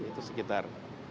itu sekitar satu enam ratus